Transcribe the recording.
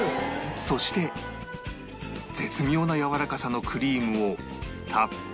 そして絶妙なやわらかさのクリームをたっぷりと注ぐ